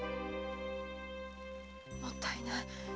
もったいない。